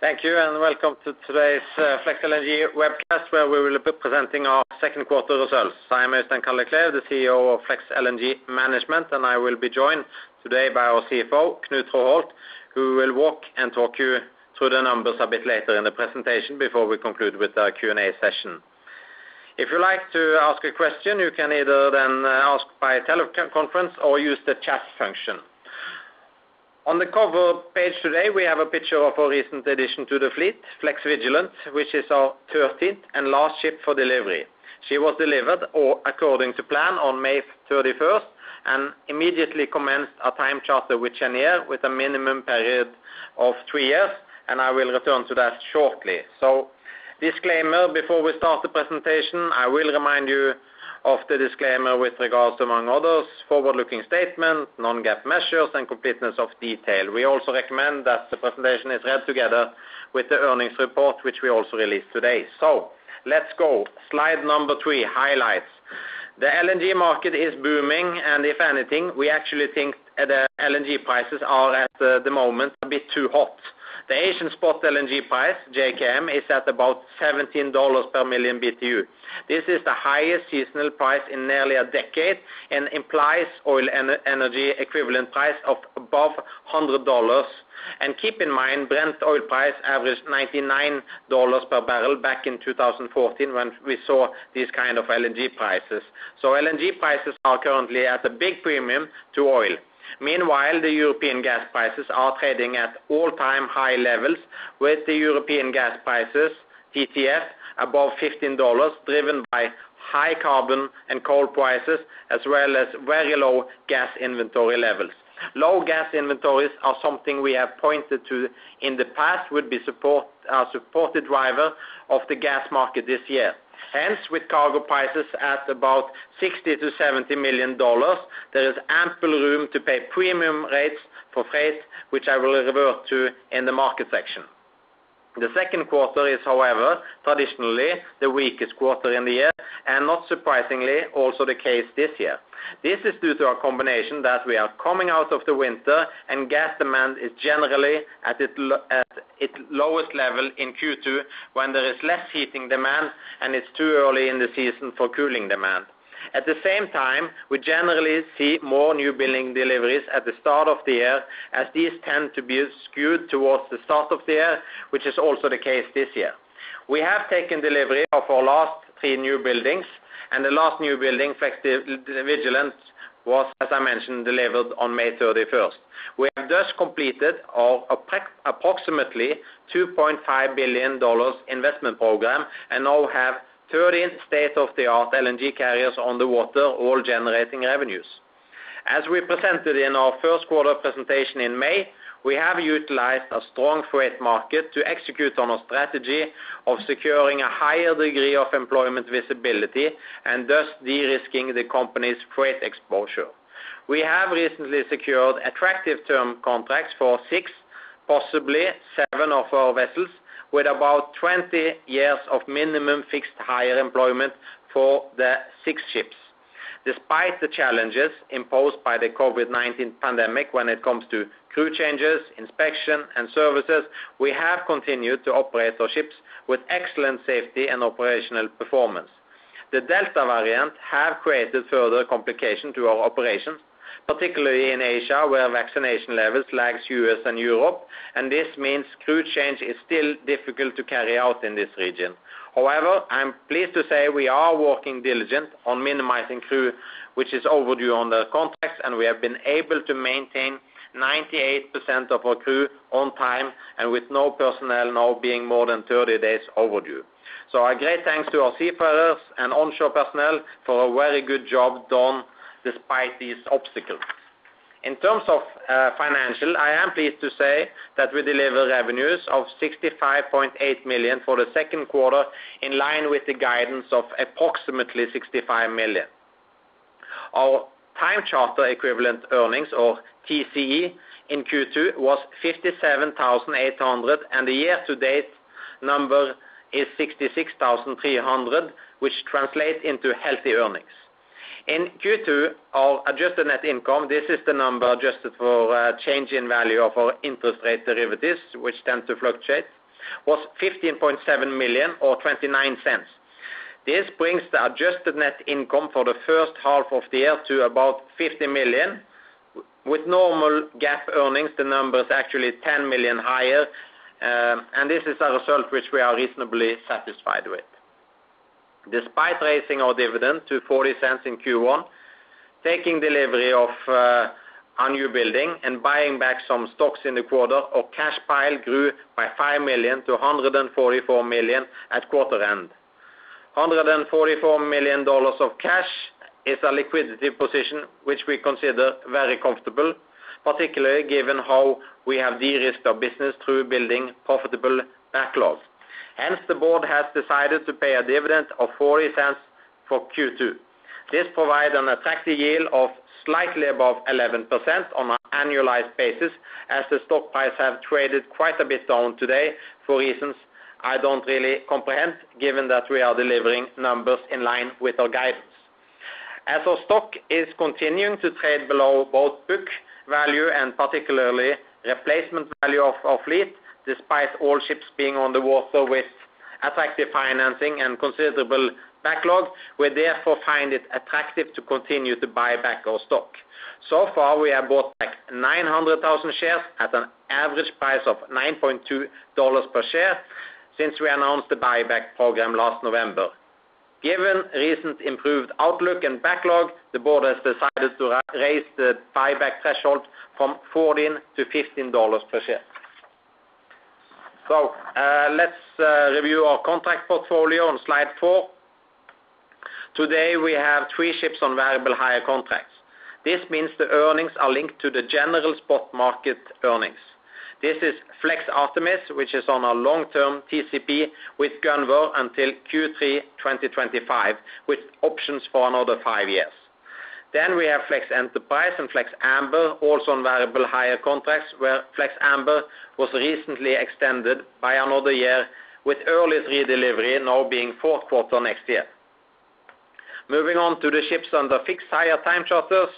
Thank you, welcome to today's FLEX LNG webcast, where we will be presenting our second quarter results. I am Øystein Kalleklev, the CEO of FLEX LNG Management, I will be joined today by our CFO, Knut Traaholt, who will walk and talk you through the numbers a bit later in the presentation before we conclude with a Q&A session. If you'd like to ask a question, you can either ask by teleconference or use the chat function. On the cover page today, we have a picture of a recent addition to the fleet, FLEX Vigilant, which is our 13th and last ship for delivery. She was delivered all according to plan on May 31st immediately commenced a time charter with Cheniere with a minimum period of three years, I will return to that shortly. Disclaimer, before we start the presentation, I will remind you of the disclaimer with regards to, among others, forward-looking statement, non-GAAP measures and completeness of detail. We also recommend that the presentation is read together with the earnings report, which we also released today. Let's go. Slide number three, highlights. The LNG market is booming, and if anything, we actually think the LNG prices are, at the moment, a bit too hot. The Asian spot LNG price, JKM, is at about $17 per million BTU. This is the highest seasonal price in nearly a decade and implies oil energy equivalent price of above $100. Keep in mind, Brent oil price averaged $99 per barrel back in 2014 when we saw these kind of LNG prices. LNG prices are currently at a big premium to oil. Meanwhile, the European gas prices are trading at all-time high levels, with the European gas prices, TTF, above $15, driven by high carbon and coal prices as well as very low gas inventory levels. Low gas inventories are something we have pointed to in the past would be a supportive driver of the gas market this year. With cargo prices at about $60 million-$70 million, there is ample room to pay premium rates for freight, which I will revert to in the market section. The second quarter is, however, traditionally the weakest quarter in the year, and not surprisingly, also the case this year. This is due to a combination that we are coming out of the winter and gas demand is generally at its lowest level in Q2 when there is less heating demand and it's too early in the season for cooling demand. At the same time, we generally see more new building deliveries at the start of the year, as these tend to be skewed towards the start of the year, which is also the case this year. We have taken delivery of our last three new buildings, and the last new building, FLEX Vigilant, was, as I mentioned, delivered on May 31st. We have just completed our approximately $2.5 billion investment program and now have 13 state-of-the-art LNG carriers on the water, all generating revenues. As we presented in our first quarter presentation in May, we have utilized a strong freight market to execute on our strategy of securing a higher degree of employment visibility and thus de-risking the company's freight exposure. We have recently secured attractive term contracts for six, possibly seven of our vessels, with about 20 years of minimum fixed higher employment for the six ships. Despite the challenges imposed by the COVID-19 pandemic when it comes to crew changes, inspection, and services, we have continued to operate our ships with excellent safety and operational performance. The Delta variant have created further complication to our operations, particularly in Asia, where vaccination levels lags U.S. and Europe, and this means crew change is still difficult to carry out in this region. However, I am pleased to say we are working diligent on minimizing crew which is overdue on the contracts, and we have been able to maintain 98% of our crew on time and with no personnel now being more than 30 days overdue. A great thanks to our seafarers and onshore personnel for a very good job done despite these obstacles. In terms of financial, I am pleased to say that we deliver revenues of $65.8 million for the second quarter in line with the guidance of approximately $65 million. Our time charter equivalent earnings or TCE in Q2 was $57,800, and the year-to-date number is $66,300, which translates into healthy earnings. In Q2, our adjusted net income, this is the number adjusted for change in value of our interest rate derivatives, which tend to fluctuate, was $15.7 million or $0.29. This brings the adjusted net income for the first half of the year to about $50 million. With normal GAAP earnings, the number is actually $10 million higher. This is a result which we are reasonably satisfied with. Despite raising our dividend to $0.40 in Q1, taking delivery of a new building and buying back some stocks in the quarter, our cash pile grew by $5 million-$144 million at quarter end. $144 million of cash is a liquidity position which we consider very comfortable, particularly given how we have de-risked our business through building profitable backlogs. The board has decided to pay a dividend of $0.40 for Q2. This provides an attractive yield of slightly above 11% on an annualized basis, as the stock price have traded quite a bit down today for reasons I don't really comprehend, given that we are delivering numbers in line with our guidance. As our stock is continuing to trade below both book value and particularly replacement value of our fleet, despite all ships being on the water with attractive financing and considerable backlog, we therefore find it attractive to continue to buy back our stock. So far, we have bought back 900,000 shares at an average price of $9.20 per share since we announced the buyback program last November. Given recent improved outlook and backlog, the board has decided to raise the buyback threshold from $14-$15 per share. Let's review our contract portfolio on slide four. Today, we have three ships on variable hire contracts. This means the earnings are linked to the general spot market earnings. This is FLEX Artemis, which is on a long-term TCP with Gunvor until Q3 2025, with options for another five years. We have FLEX Enterprise and FLEX Amber, also on variable hire contracts, where FLEX Amber was recently extended by another year with early redelivery now being fourth quarter next year. Moving on to the ships under fixed hire time charterers.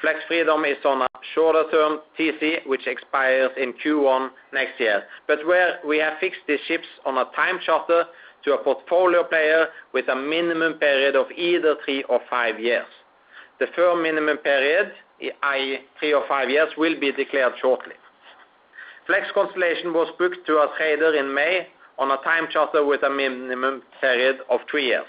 FLEX Freedom is on a shorter term TC, which expires in Q1 next year. Where we have fixed the ships on a time charter to a portfolio player with a minimum period of either three or five years. The firm minimum period, i.e., three or five years, will be declared shortly. FLEX Constellation was booked to a trader in May on a time charter with a minimum period of three years.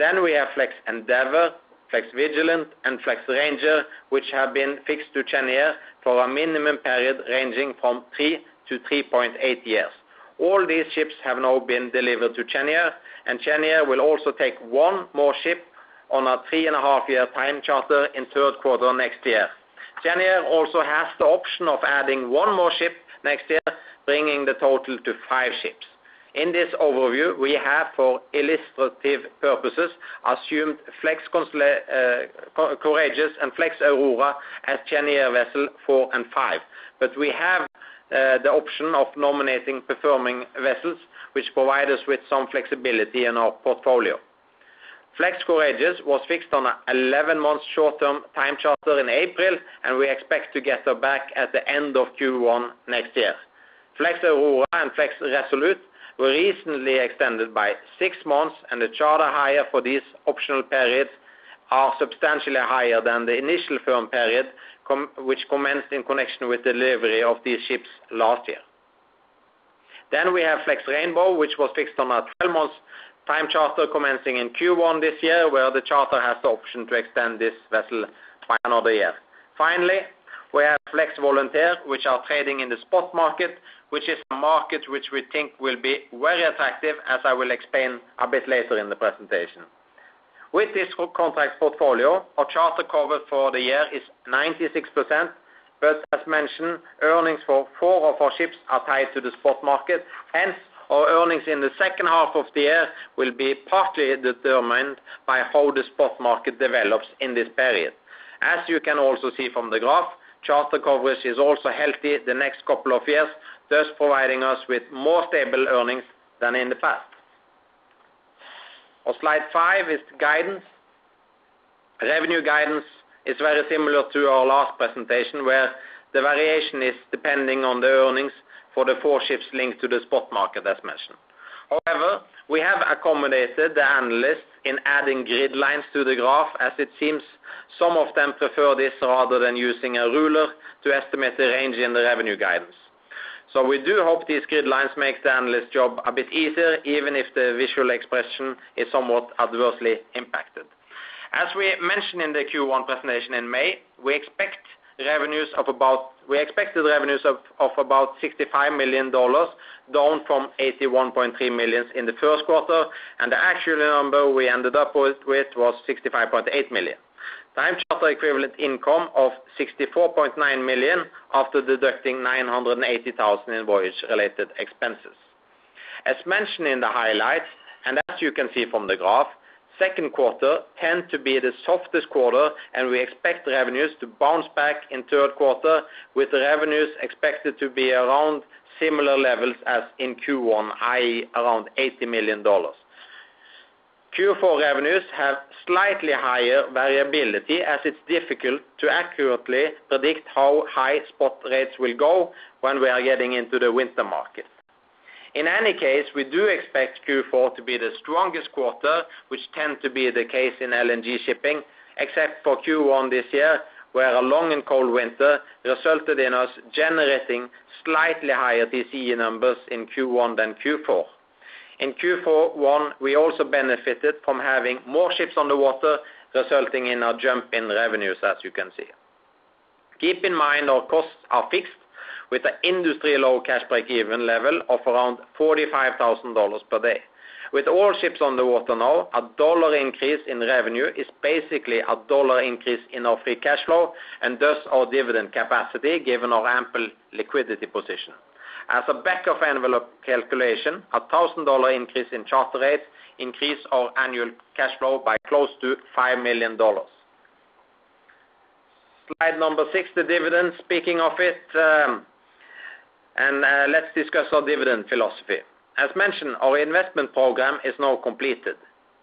We have FLEX Endeavor, FLEX Vigilant, and FLEX Ranger, which have been fixed to Cheniere for a minimum period ranging from 3-3.8 years. All these ships have now been delivered to Cheniere, and Cheniere will also take one more ship on a three-and-a-half-year time charter in the third quarter next year. Cheniere also has the option of adding one more ship next year, bringing the total to five ships. In this overview, we have, for illustrative purposes, assumed FLEX Courageous and FLEX Aurora as Cheniere vessel four and five. We have the option of nominating performing vessels, which provide us with some flexibility in our portfolio. FLEX Courageous was fixed on an 11-month short-term time charter in April, and we expect to get her back at the end of Q1 next year. FLEX Aurora and FLEX Resolute were recently extended by six months, and the charter hire for these optional periods are substantially higher than the initial firm period, which commenced in connection with delivery of these ships last year. We have FLEX Rainbow, which was fixed on a 12-month time charter commencing in Q1 this year, where the charter has the option to extend this vessel by another year. We have FLEX Volunteer, which is trading in the spot market, which is a market which we think will be very attractive, as I will explain a bit later in the presentation. With this contract portfolio, our charter cover for the year is 96%, but as mentioned, earnings for four of our ships are tied to the spot market. Hence, our earnings in the second half of the year will be partly determined by how the spot market develops in this period. As you can also see from the graph, charter coverage is also healthy the next couple of years, thus providing us with more stable earnings than in the past. On slide five is the guidance. Revenue guidance is very similar to our last presentation, where the variation is depending on the earnings for the four ships linked to the spot market, as mentioned. However, we have accommodated the analysts in adding grid lines to the graph as it seems some of them prefer this rather than using a ruler to estimate the range in the revenue guidance. We do hope these grid lines make the analyst's job a bit easier, even if the visual expression is somewhat adversely impacted. As we mentioned in the Q1 presentation in May, we expected revenues of about $65 million, down from $81.3 million in the first quarter, and the actual number we ended up with was $65.8 million. Time Charter Equivalent income of $64.9 million after deducting $980,000 in voyage-related expenses. As mentioned in the highlights, and as you can see from the graph, second quarter tends to be the softest quarter, and we expect revenues to bounce back in the third quarter, with revenues expected to be around similar levels as in Q1, i.e., around $80 million. Q4 revenues have slightly higher variability, as it's difficult to accurately predict how high spot rates will go when we are getting into the winter market. In any case, we do expect Q4 to be the strongest quarter, which tends to be the case in LNG shipping. Except for Q1 this year, where a long and cold winter resulted in us generating slightly higher TCE numbers in Q1 than Q4. In Q1, we also benefited from having more ships on the water, resulting in a jump in revenues, as you can see. Keep in mind our costs are fixed with an industry-low cash break-even level of around $45,000 per day. With all ships on the water now, a dollar increase in revenue is basically a dollar increase in our free cash flow and thus our dividend capacity, given our ample liquidity position. As a back-of-envelope calculation, a $1,000 increase in charter rates increase our annual cash flow by close to $5 million. Slide number six, the dividends. Speaking of it, let's discuss our dividend philosophy. As mentioned, our investment program is now completed.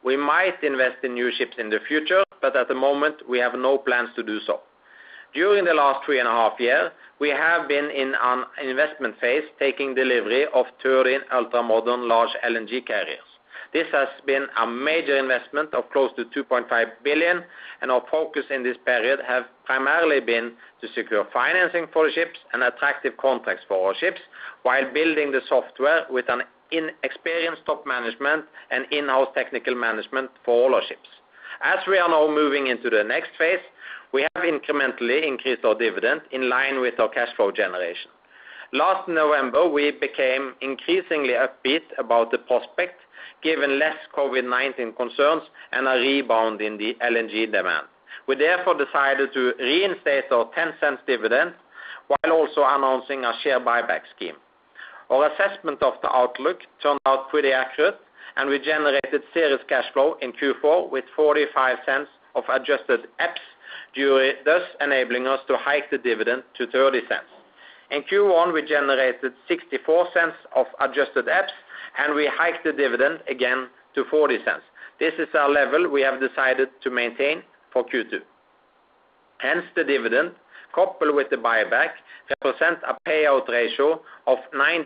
We might invest in new ships in the future, but at the moment, we have no plans to do so. During the last 3.5 years, we have been in an investment phase, taking delivery of 30 ultramodern large LNG carriers. This has been a major investment of close to $2.5 billion, and our focus in this period has primarily been to secure financing for the ships and attractive contracts for our ships, while building the software with an inexperienced top management and in-house technical management for all our ships. As we are now moving into the next phase, we have incrementally increased our dividend in line with our cash flow generation. Last November, we became increasingly upbeat about the prospect, given less COVID-19 concerns and a rebound in the LNG demand. We therefore decided to reinstate our $0.10 dividend while also announcing a share buyback scheme. Our assessment of the outlook turned out pretty accurate, and we generated serious cash flow in Q4 with $0.45 of adjusted EPS, thus enabling us to hike the dividend to $0.30. In Q1, we generated $0.64 of adjusted EPS, and we hiked the dividend again to $0.40. This is our level we have decided to maintain for Q2. The dividend, coupled with the buyback, represents a payout ratio of 96%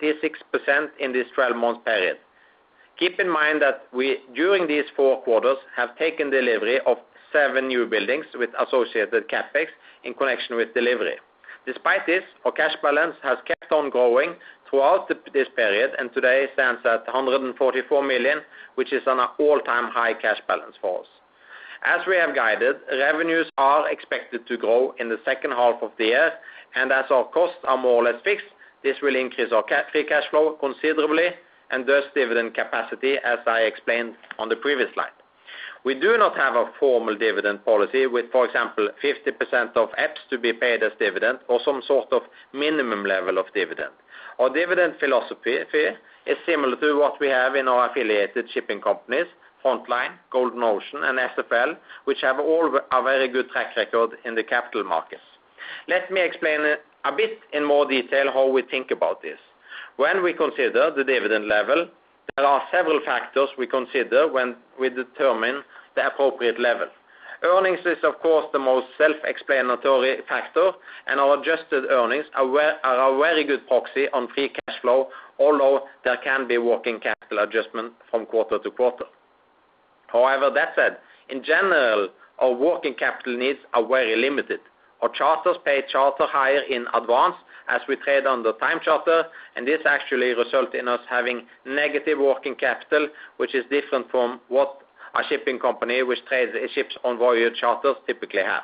in this 12-month period. Keep in mind that we, during these four quarters, have taken delivery of seven new buildings with associated CapEx in connection with delivery. Despite this, our cash balance has kept on growing throughout this period and today stands at $144 million, which is an all-time high cash balance for us. As we have guided, revenues are expected to grow in the second half of the year, and as our costs are more or less fixed, this will increase our free cash flow considerably and thus dividend capacity, as I explained on the previous slide. We do not have a formal dividend policy with, for example, 50% of EPS to be paid as dividend or some sort of minimum level of dividend. Our dividend philosophy is similar to what we have in our affiliated shipping companies, Frontline, Golden Ocean, and SFL, which have all a very good track record in the capital markets. Let me explain a bit in more detail how we think about this. When we consider the dividend level, there are several factors we consider when we determine the appropriate level. Earnings is, of course, the most self-explanatory factor, and our adjusted earnings are a very good proxy on free cash flow, although there can be working capital adjustment from quarter to quarter. That said, in general, our working capital needs are very limited. Our charterers pay charter hire in advance as we trade on the time charter, and this actually result in us having negative working capital, which is different from what a shipping company which trades ships on voyage charterers typically have.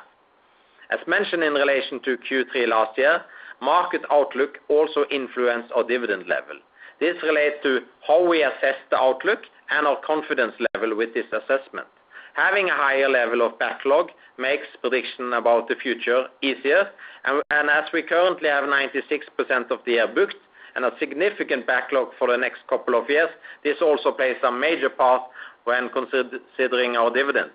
As mentioned in relation to Q3 last year, market outlook also influence our dividend level. This relates to how we assess the outlook and our confidence level with this assessment. Having a higher level of backlog makes prediction about the future easier. As we currently have 96% of the year booked and a significant backlog for the next couple of years, this also plays a major part when considering our dividend.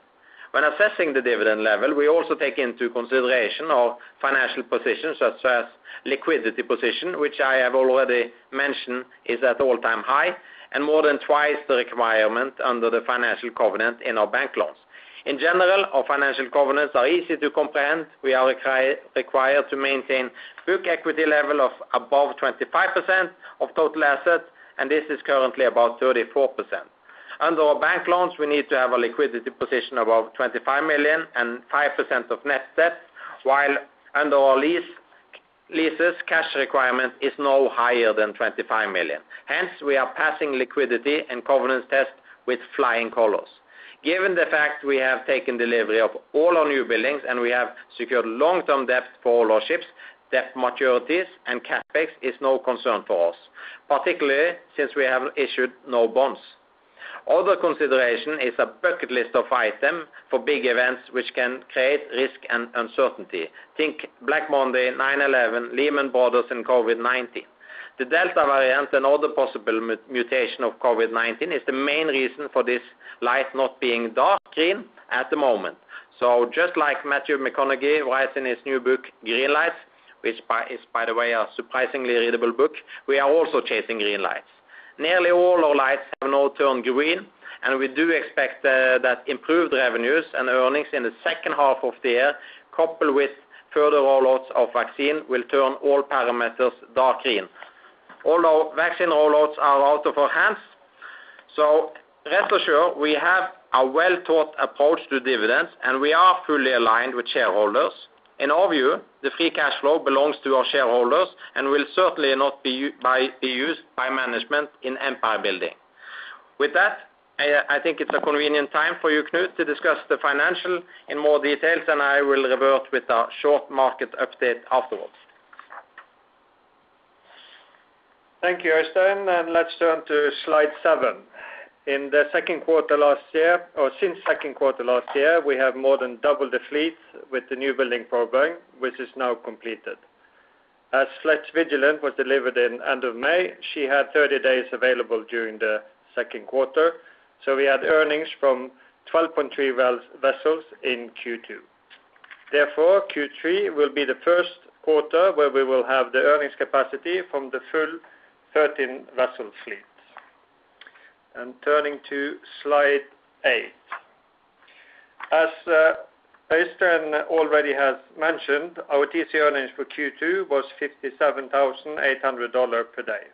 When assessing the dividend level, we also take into consideration our financial position such as liquidity position, which I have already mentioned is at all-time high and more than twice the requirement under the financial covenant in our bank loans. In general, our financial covenants are easy to comprehend. We are required to maintain book equity level of above 25% of total assets, and this is currently about 34%. Under our bank loans, we need to have a liquidity position above $25 million and 5% of net debt, while under our leases, cash requirement is no higher than $25 million. Hence, we are passing liquidity and covenant test with flying colors. Given the fact we have taken delivery of all our new buildings and we have secured long-term debt for all our ships, debt maturities and CapEx is no concern for us, particularly since we have issued no bonds. Other consideration is a bucket list of item for big events which can create risk and uncertainty. Think Black Monday, 9/11, Lehman Brothers, and COVID-19. The Delta variant and other possible mutation of COVID-19 is the main reason for this light not being dark green at the moment. Just like Matthew McConaughey writes in his new book, Greenlights, which is, by the way, a surprisingly readable book, we are also chasing green lights. Nearly all our lights have now turned green, and we do expect that improved revenues and earnings in the second half of the year, coupled with further rollouts of vaccine, will turn all parameters dark green. Although vaccine rollouts are out of our hands. Rest assured, we have a well-thought approach to dividends, and we are fully aligned with shareholders. In our view, the free cash flow belongs to our shareholders and will certainly not be used by management in empire building. I think it's a convenient time for you, Knut, to discuss the financial in more details, and I will revert with a short market update afterwards. Thank you, Øystein. Let's turn to slide seven. Since second quarter last year, we have more than doubled the fleet with the new building program, which is now completed. As FLEX Vigilant was delivered in end of May, she had 30 days available during the second quarter, so we had earnings from 12.3 vessels in Q2. Therefore, Q3 will be the first quarter where we will have the earnings capacity from the full 13-vessel fleet. Turning to slide eight. As Øystein already has mentioned, our TCE earnings for Q2 was $57,800 per day.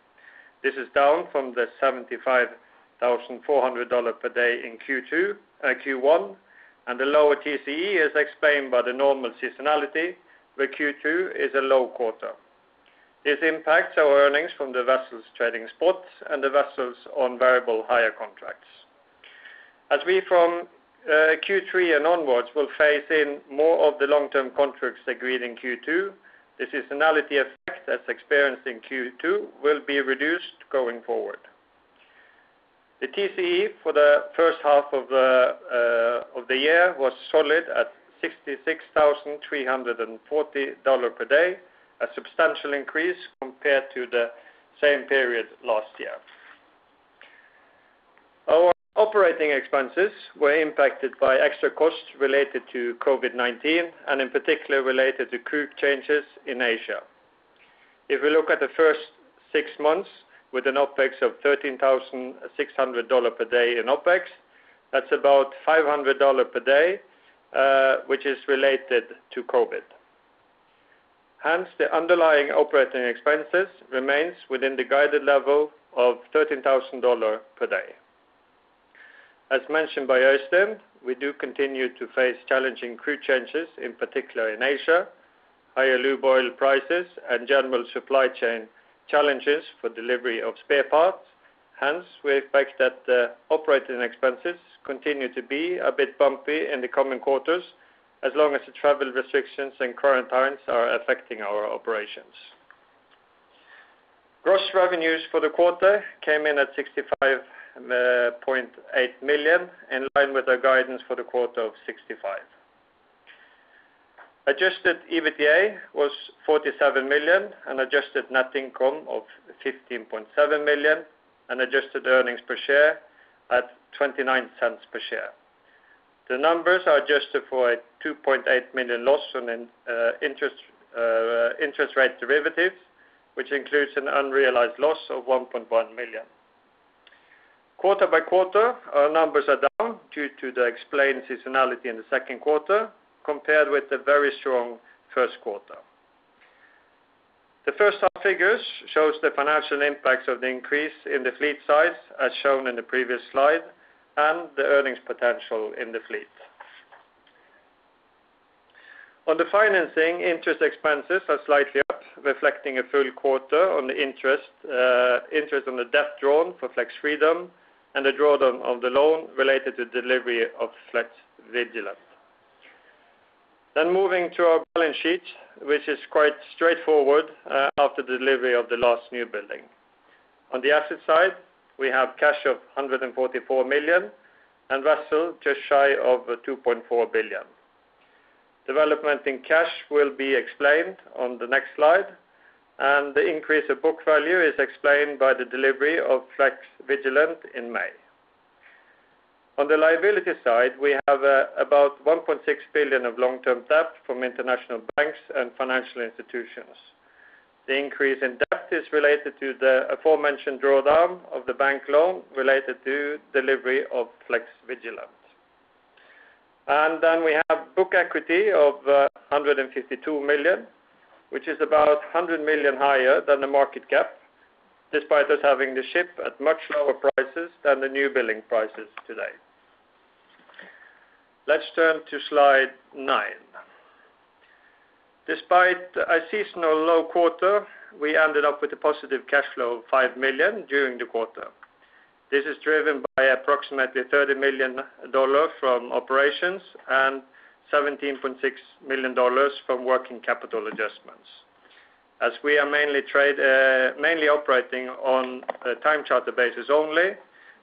This is down from the $75,400 per day in Q1, and the lower TCE is explained by the normal seasonality, where Q2 is a low quarter. This impacts our earnings from the vessels trading spots and the vessels on variable hire contracts. We from Q3 and onwards will phase in more of the long-term contracts agreed in Q2, the seasonality effect as experienced in Q2 will be reduced going forward. The TCE for the first half of the year was solid at $66,340 per day, a substantial increase compared to the same period last year. Our operating expenses were impacted by extra costs related to COVID-19, and in particular related to crew changes in Asia. If we look at the first six months with an OpEx of $13,600 per day in OpEx, that's about $500 per day, which is related to COVID. The underlying operating expenses remains within the guided level of $13,000 per day. Mentioned by Øystein, we do continue to face challenging crew changes, in particular in Asia, higher lube oil prices, and general supply chain challenges for delivery of spare parts. We expect that the operating expenses continue to be a bit bumpy in the coming quarters, as long as the travel restrictions and quarantines are affecting our operations. Gross revenues for the quarter came in at $65.8 million, in line with our guidance for the quarter of $65 million. Adjusted EBITDA was $47 million, an adjusted net income of $15.7 million, and adjusted earnings per share at $0.29 per share. The numbers are adjusted for a $2.8 million loss on an interest rate derivative, which includes an unrealized loss of $1.1 million. Quarter by quarter, our numbers are down due to the explained seasonality in the second quarter compared with the very strong first quarter. The first half figures shows the financial impacts of the increase in the fleet size, as shown in the previous slide, and the earnings potential in the fleet. On the financing, interest expenses are slightly up, reflecting a full quarter on the interest on the debt drawn for FLEX Freedom and the drawdown of the loan related to delivery of FLEX Vigilant. Moving to our balance sheet, which is quite straightforward after delivery of the last new building. On the asset side, we have cash of $144 million and vessel just shy of $2.4 billion. Development in cash will be explained on the next slide, and the increase of book value is explained by the delivery of FLEX Vigilant in May. On the liability side, we have about $1.6 billion of long-term debt from international banks and financial institutions. The increase in debt is related to the aforementioned drawdown of the bank loan related to delivery of FLEX Vigilant. We have book equity of $152 million, which is about $100 million higher than the market cap, despite us having the ship at much lower prices than the new building prices today. Let's turn to slide nine. Despite a seasonal low quarter, we ended up with a positive cash flow of $5 million during the quarter. This is driven by approximately $30 million from operations and $17.6 million from working capital adjustments. As we are mainly operating on a time charter basis only,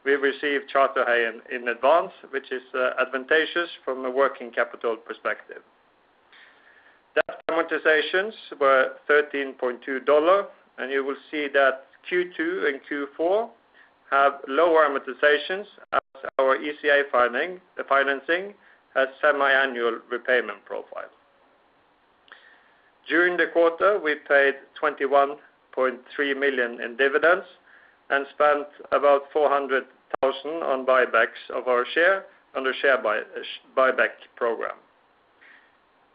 we receive charter hire in advance, which is advantageous from a working capital perspective. Debt amortizations were $13.2 million, and you will see that Q2 and Q4 have low amortizations, as our ECA financing, the financing, has semi-annual repayment profile. During the quarter, we paid $21.3 million in dividends and spent about $400,000 on buybacks of our share under share buyback program.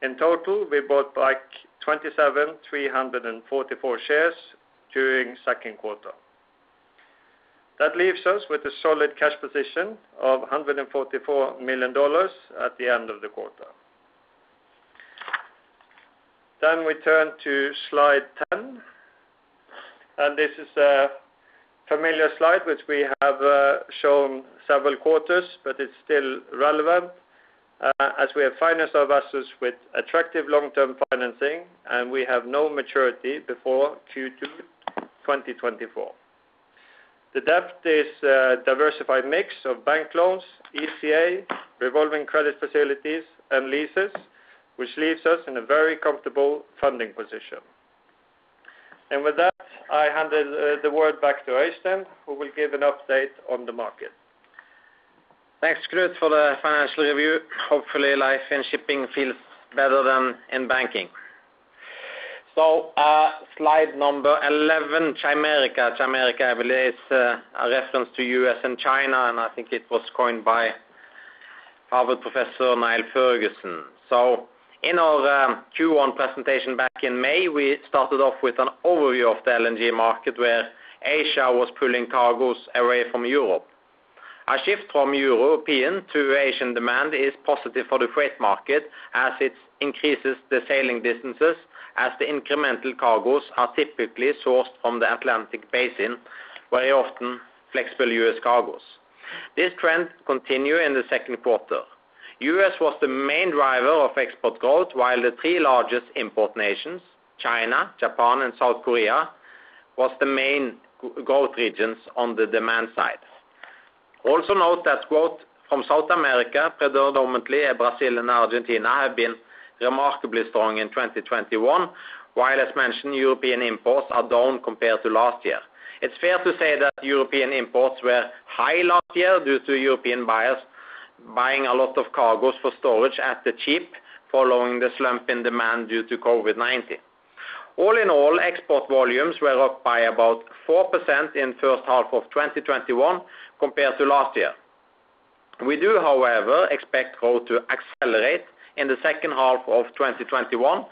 In total, we bought back 27,344 shares during second quarter. That leaves us with a solid cash position of $144 million at the end of the quarter. We turn to slide 10. This is a familiar slide which we have shown several quarters. It's still relevant, as we have financed our vessels with attractive long-term financing. We have no maturity before Q2 2024. The debt is a diversified mix of bank loans, ECA, revolving credit facilities, and leases, which leaves us in a very comfortable funding position. With that, I hand the word back to Øystein, who will give an update on the market. Thanks, Knut, for the financial review. Hopefully, life in shipping feels better than in banking. Slide number 11, Chimerica. Chimerica, I believe, is a reference to U.S. and China, and I think it was coined by Harvard Professor Niall Ferguson. In our Q1 presentation back in May, we started off with an overview of the LNG market where Asia was pulling cargos away from Europe. A shift from European to Asian demand is positive for the freight market as it increases the sailing distances as the incremental cargos are typically sourced from the Atlantic Basin, very often flexible U.S. cargos. This trend continued in the second quarter. U.S. was the main driver of export growth while the three largest import nations, China, Japan, and South Korea, was the main growth regions on the demand side. Also note that growth from South America, predominantly Brazil and Argentina, have been remarkably strong in 2021, while as mentioned, European imports are down compared to last year. It's fair to say that European imports were high last year due to European buyers buying a lot of cargos for storage at the cheap following the slump in demand due to COVID-19. All in all, export volumes were up by about 4% in first half of 2021 compared to last year. We do, however, expect growth to accelerate in the second half of 2021.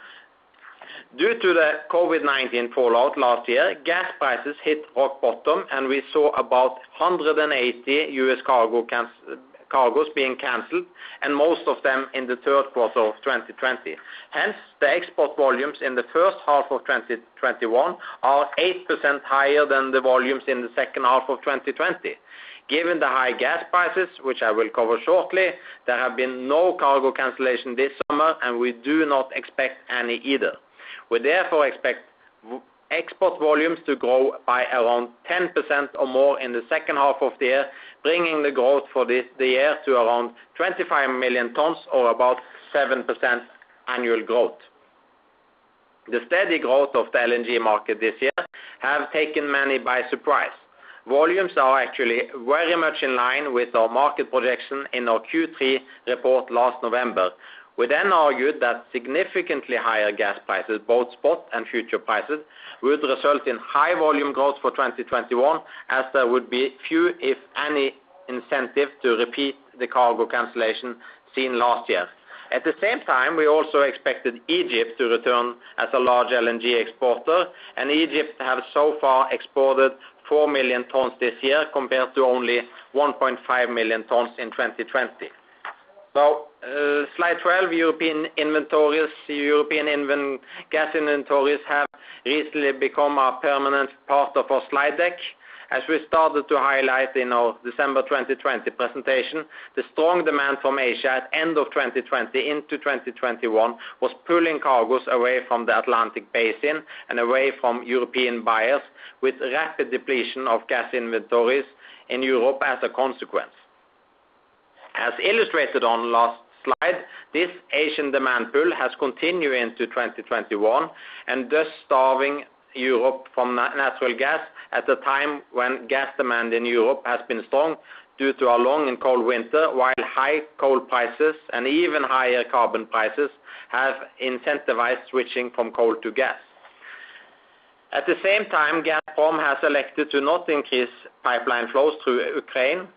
Due to the COVID-19 fallout last year, gas prices hit rock bottom and we saw about 180 U.S. cargos being canceled, and most of them in the third quarter of 2020. The export volumes in the first half of 2021 are 8% higher than the volumes in the second half of 2020. Given the high gas prices, which I will cover shortly, there have been no cargo cancellation this summer, and we do not expect any either. We therefore expect export volumes to grow by around 10% or more in the second half of the year, bringing the growth for the year to around 25,000,000 tons or about 7% annual growth. The steady growth of the LNG market this year have taken many by surprise. Volumes are actually very much in line with our market projection in our Q3 report last November. We argued that significantly higher gas prices, both spot and future prices, would result in high volume growth for 2021 as there would be few, if any, incentive to repeat the cargo cancellation seen last year. At the same time, we also expected Egypt to return as a large LNG exporter, and Egypt have so far exported 4,000,000 tons this year compared to only 1,500,000 tons in 2020. Slide 12, European gas inventories have recently become a permanent part of our slide deck. As we started to highlight in our December 2020 presentation, the strong demand from Asia at end of 2020 into 2021 was pulling cargos away from the Atlantic basin and away from European buyers with rapid depletion of gas inventories in Europe as a consequence. As illustrated on last slide, this Asian demand pull has continued into 2021 and thus starving Europe from natural gas at a time when gas demand in Europe has been strong due to a long and cold winter while high coal prices and even higher carbon prices have incentivized switching from coal to gas. At the same time, Gazprom has elected to not increase pipeline flows through Ukraine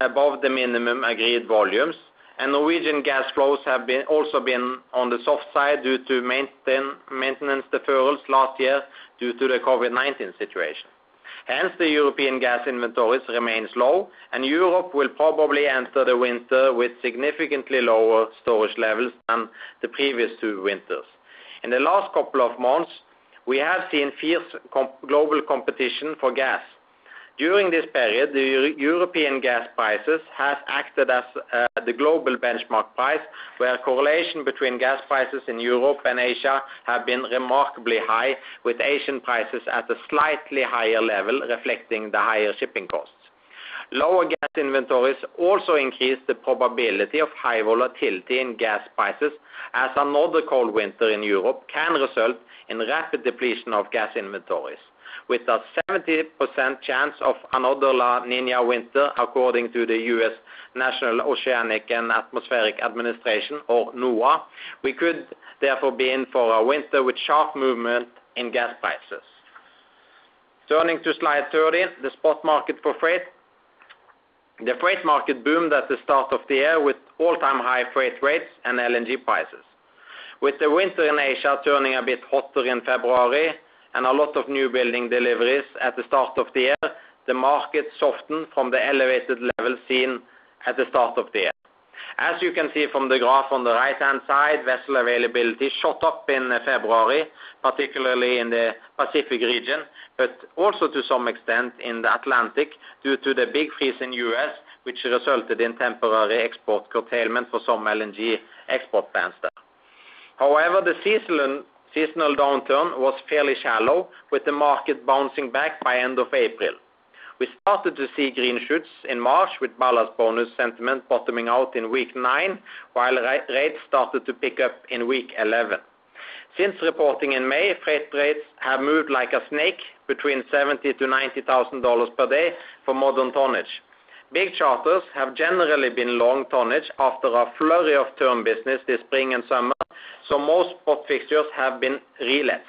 above the minimum agreed volumes, and Norwegian gas flows have also been on the soft side due to maintenance deferrals last year due to the COVID-19 situation. The European gas inventories remains low and Europe will probably enter the winter with significantly lower storage levels than the previous two winters. In the last couple of months, we have seen fierce global competition for gas. During this period, the European gas prices have acted as the global benchmark price where correlation between gas prices in Europe and Asia have been remarkably high with Asian prices at a slightly higher level reflecting the higher shipping costs. Lower gas inventories also increase the probability of high volatility in gas prices as another cold winter in Europe can result in rapid depletion of gas inventories. With a 70% chance of another La Niña winter according to the U.S. National Oceanic and Atmospheric Administration or NOAA, we could therefore be in for a winter with sharp movement in gas prices. Turning to slide 13, the spot market for freight. The freight market boomed at the start of the year with all-time high freight rates and LNG prices. With the winter in Asia turning a bit hotter in February and a lot of new building deliveries at the start of the year, the market softened from the elevated level seen at the start of the year. As you can see from the graph on the right-hand side, vessel availability shot up in February, particularly in the Pacific region, but also to some extent in the Atlantic due to the big freeze in U.S., which resulted in temporary export curtailment for some LNG export plants there. The seasonal downturn was fairly shallow, with the market bouncing back by end of April. We started to see green shoots in March with ballast bonus sentiment bottoming out in week nine, while rates started to pick up in week 11. Since reporting in May, freight rates have moved like a snake between $70,000-$90,000 per day for modern tonnage. Big charterers have generally been long tonnage after a flurry of term business this spring and summer, so most spot fixtures have been relets.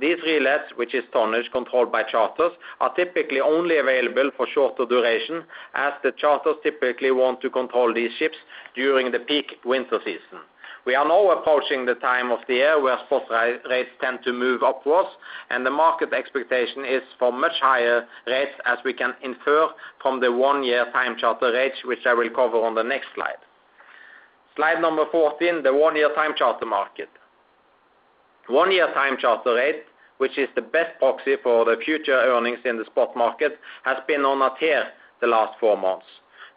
These relets, which is tonnage controlled by charterers, are typically only available for shorter duration as the charterers typically want to control these ships during the peak winter season. We are now approaching the time of the year where spot rates tend to move upwards, and the market expectation is for much higher rates as we can infer from the one-year time charter rates, which I will cover on the next slide. Slide number 14, the one-year time charter market. One-year time charter rate, which is the best proxy for the future earnings in the spot market, has been on a tear the last four months.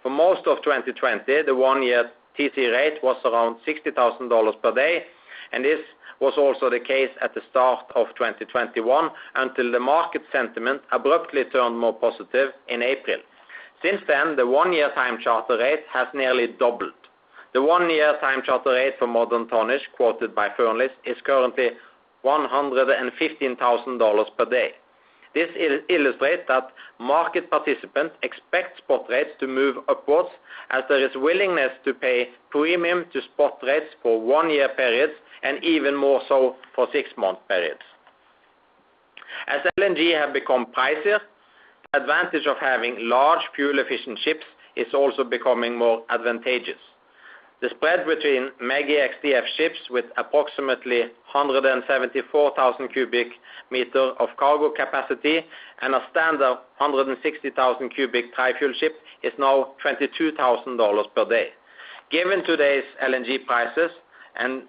For most of 2020, the one-year TC rate was around $60,000 per day, and this was also the case at the start of 2021 until the market sentiment abruptly turned more positive in April. Since then, the one-year time charter rate has nearly doubled. The one-year time charter rate for modern tonnage quoted by Fearnleys is currently $115,000 per day. This illustrates that market participants expect spot rates to move upwards as there is willingness to pay premium to spot rates for one-year periods and even more so for six-month periods. As LNG have become pricier, advantage of having large fuel efficient ships is also becoming more advantageous. The spread between mega XDF ships with approximately 174,000 cubic meter of cargo capacity and a standard 160,000 cubic TFDE ship is now $22,000 per day. Given today's LNG prices and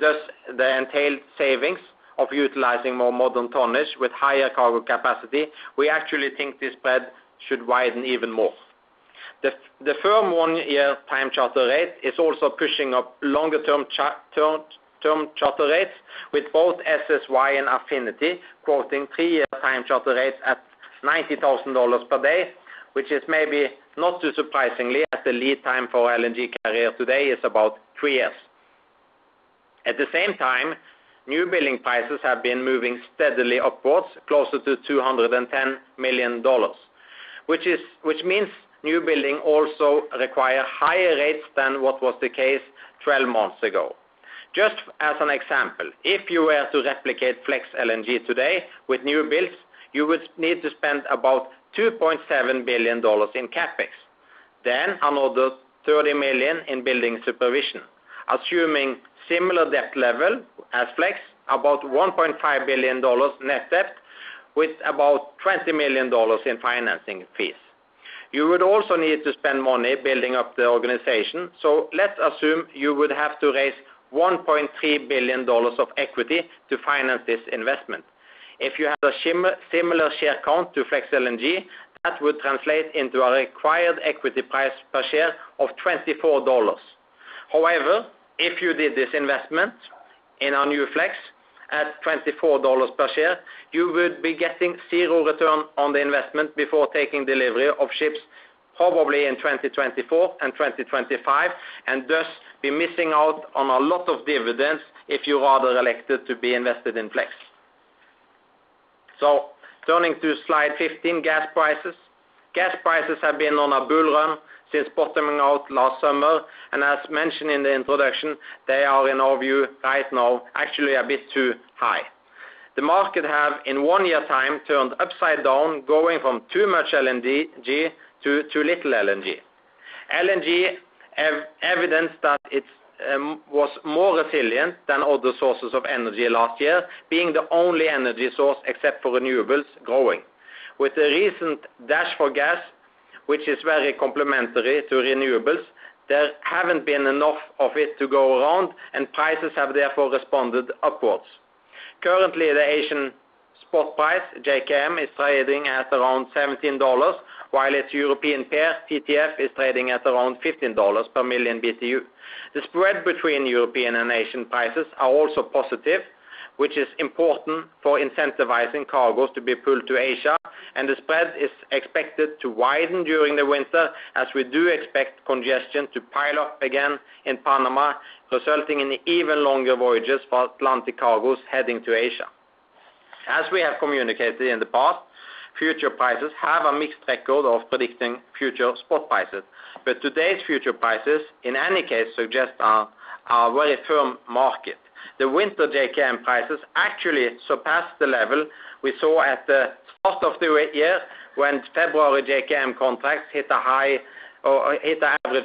thus the entailed savings of utilizing more modern tonnage with higher cargo capacity, we actually think this spread should widen even more. The firm one-year time charter rate is also pushing up longer-term charter rates with both SSY and Affinity quoting three-year time charter rates at $90,000 per day, which is maybe not too surprisingly as the lead time for LNG carrier today is about three years. At the same time, new building prices have been moving steadily upwards closer to $210 million, which means new building also require higher rates than what was the case 12 months ago. Just as an example, if you were to replicate FLEX LNG today with new builds, you would need to spend about $2.7 billion in CapEx, then another $30 million in building supervision. Assuming similar debt level as FLEX, about $1.5 billion net debt with about $20 million in financing fees. You would also need to spend money building up the organization. Let's assume you would have to raise $1.3 billion of equity to finance this investment. If you have a similar share count to FLEX LNG, that would translate into a required equity price per share of $24. However, if you did this investment in our new FLEX at $24 per share, you would be getting zero return on the investment before taking delivery of ships probably in 2024 and 2025, and thus be missing out on a lot of dividends if you rather elected to be invested in FLEX. Turning to slide 15, gas prices. Gas prices have been on a bull run since bottoming out last summer, and as mentioned in the introduction, they are in our view right now actually a bit too high. The market have, in one year time, turned upside down, going from too much LNG to too little LNG. LNG evidenced that it was more resilient than other sources of energy last year, being the only energy source except for renewables growing. With the recent dash for gas, which is very complementary to renewables, there haven't been enough of it to go around, and prices have therefore responded upwards. Currently, the Asian spot price, JKM, is trading at around $17, while its European pair, TTF, is trading at around $15 per million BTU. The spread between European and Asian prices are also positive, which is important for incentivizing cargos to be pulled to Asia, and the spread is expected to widen during the winter, as we do expect congestion to pile up again in Panama, resulting in even longer voyages for Atlantic cargos heading to Asia. As we have communicated in the past, future prices have a mixed record of predicting future spot prices. Today's future prices, in any case, suggest a very firm market. The winter JKM prices actually surpassed the level we saw at the start of the year when February JKM contracts hit the average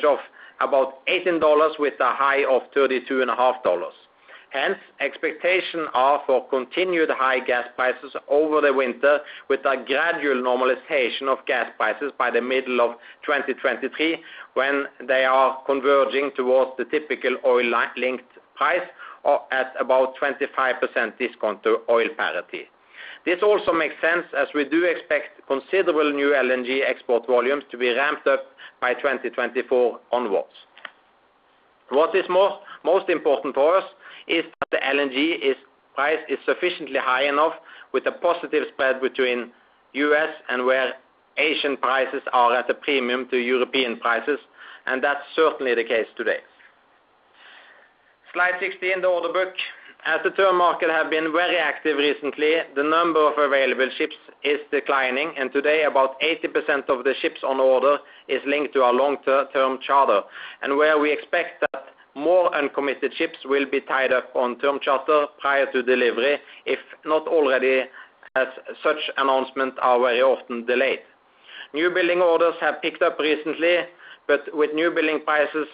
of about $18 with a high of $32.5. Expectations are for continued high gas prices over the winter, with a gradual normalization of gas prices by the middle of 2023 when they are converging towards the typical oil-linked price at about 25% discount to oil parity. This also makes sense as we do expect considerable new LNG export volumes to be ramped up by 2024 onwards. What is most important for us is that the LNG price is sufficiently high enough with a positive spread between U.S. and where Asian prices are at a premium to European prices, that is certainly the case today. Slide 16, the order book. As the term market has been very active recently, the number of available ships is declining, and today about 80% of the ships on order is linked to a long-term charter. Where we expect that more uncommitted ships will be tied up on term charter prior to delivery, if not already, as such announcements are very often delayed. New building orders have picked up recently, but with new building prices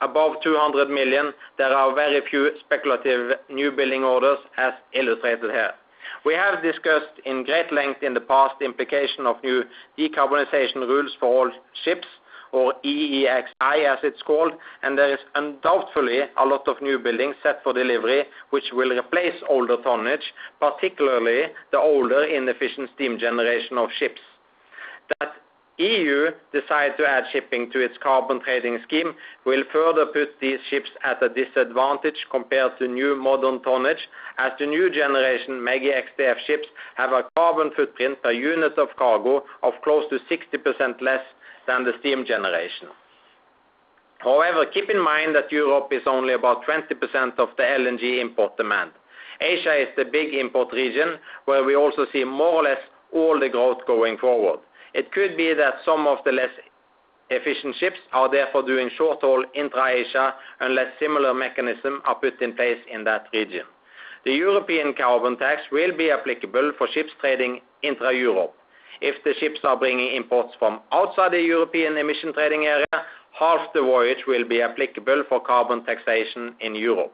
above $200 million, there are very few speculative new building orders, as illustrated here. We have discussed in great length in the past the implication of new decarbonization rules for all ships or EEXI, as it is called, and there is undoubtedly a lot of new buildings set for delivery which will replace older tonnage, particularly the older inefficient steam generation of ships. That EU decided to add shipping to its carbon trading scheme will further put these ships at a disadvantage compared to new modern tonnage, as the new generation mega XDF ships have a carbon footprint per unit of cargo of close to 60% less than the steam generation. However, keep in mind that Europe is only about 20% of the LNG import demand. Asia is the big import region, where we also see more or less all the growth going forward. It could be that some of the less efficient ships are therefore doing short-haul intra-Asia unless similar mechanisms are put in place in that region. The European carbon tax will be applicable for ships trading intra-Europe. If the ships are bringing imports from outside the European emission trading area, half the voyage will be applicable for carbon taxation in Europe.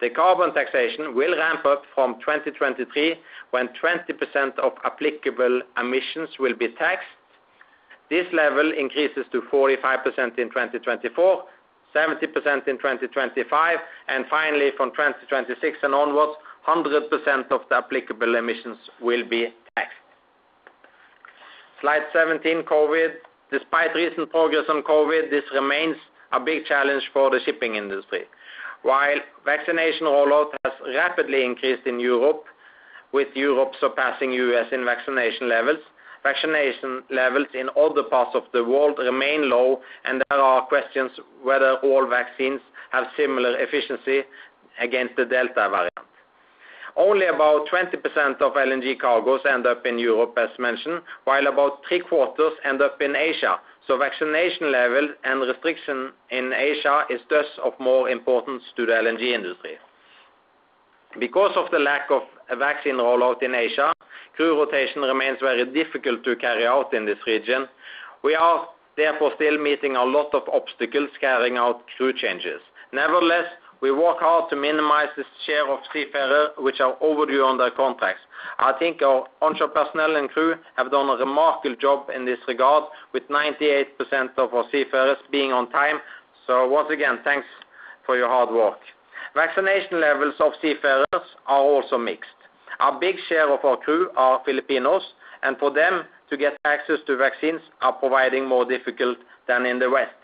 The carbon taxation will ramp up from 2023, when 20% of applicable emissions will be taxed. This level increases to 45% in 2024, 70% in 2025, finally from 2026 and onwards, 100% of the applicable emissions will be taxed. Slide 17, COVID. Despite recent progress on COVID, this remains a big challenge for the shipping industry. While vaccination rollout has rapidly increased in Europe, with Europe surpassing U.S. in vaccination levels, vaccination levels in other parts of the world remain low, there are questions whether all vaccines have similar efficiency against the Delta variant. Only about 20% of LNG cargos end up in Europe, as mentioned, while about three-quarters end up in Asia. Vaccination level and restriction in Asia is thus of more importance to the LNG industry. Because of the lack of vaccine rollout in Asia, crew rotation remains very difficult to carry out in this region. We are therefore still meeting a lot of obstacles carrying out crew changes. Nevertheless, we work hard to minimize the share of seafarers which are overdue on their contracts. I think our onshore personnel and crew have done a remarkable job in this regard with 98% of our seafarers being on time. Once again, thanks for your hard work. Vaccination levels of seafarers are also mixed. A big share of our crew are Filipinos, and for them to get access to vaccines are providing more difficult than in the West.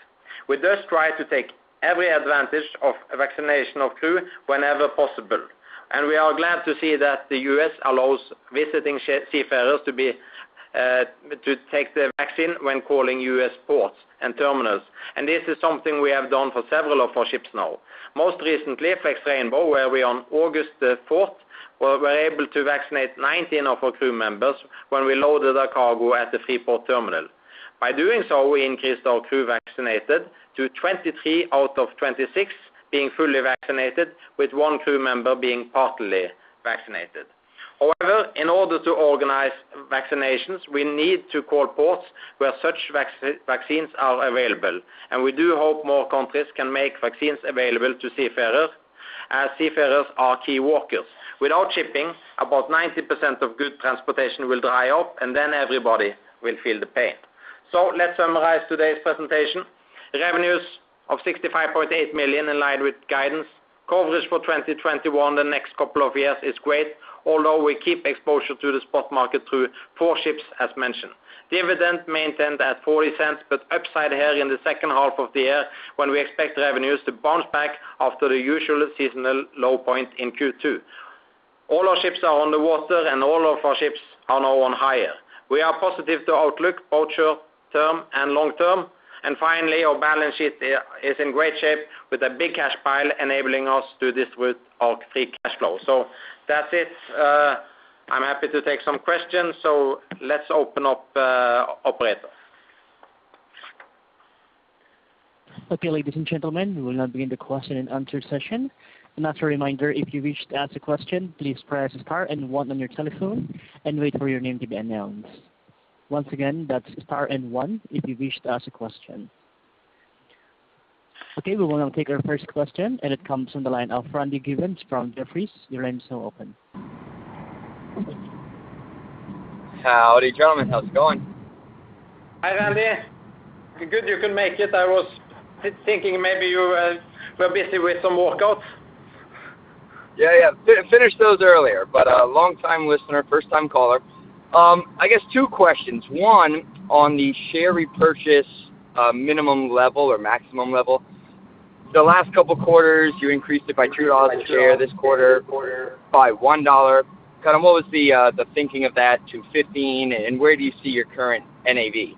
We just try to take every advantage of vaccination of crew whenever possible. We are glad to see that the U.S. allows visiting seafarers to take the vaccine when calling U.S. ports and terminals. This is something we have done for several of our ships now. Most recently, FLEX Rainbow, where we on August the fourth were able to vaccinate 19 of our crew members when we loaded a cargo at the Freeport terminal. By doing so, we increased our crew vaccinated to 23 out of 26 being fully vaccinated, with one crew member being partly vaccinated. However, in order to organize vaccinations, we need to call ports where such vaccines are available, and we do hope more countries can make vaccines available to seafarers, as seafarers are key workers. Without shipping, about 90% of good transportation will dry up, and then everybody will feel the pain. Let us summarize today's presentation. Revenues of $65.8 million in line with guidance. Coverage for 2021, the next couple of years is great, although we keep exposure to the spot market through four ships as mentioned. Dividend maintained at $0.40. Upside here in the second half of the year when we expect revenues to bounce back after the usual seasonal low point in Q2. All our ships are on the water. All of our ships are now on hire. We are positive to outlook, both short-term and long-term. Finally, our balance sheet is in great shape with a big cash pile enabling us to do this with our free cash flow. That's it. I am happy to take some questions. Let us open up operator. Okay, ladies and gentlemen, we will now begin the question-and-answer session. As a reminder, if you wish to ask a question, please press star and one on your telephone and wait for your name to be announced. Once again, that is star and one if you wish to ask a question. Okay, we will now take our first question, it comes from the line of Randy Giveans from Jefferies. Your line is now open. Howdy, gentlemen. How is it going? Hi, Randy. Good you could make it. I was thinking maybe you were busy with some workouts. Yeah. Finished those earlier. Long time listener, first time caller. I guess two questions. One, on the share repurchase, minimum level or maximum level. The last couple of quarters, you increased it by $2 a share this quarter by $1. What was the thinking of that to 15, and where do you see your current NAV?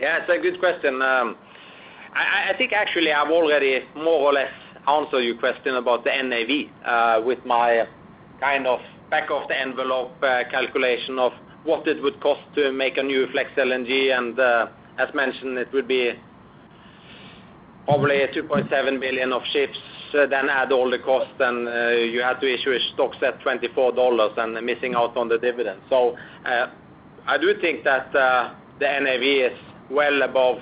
It's a good question. I think actually I've already more or less answered your question about the NAV, with my back of the envelope calculation of what it would cost to make a new FLEX LNG. As mentioned, it would be probably $2.7 billion of ships, add all the costs, and you have to issue stocks at $24 and missing out on the dividends. I do think that the NAV is well above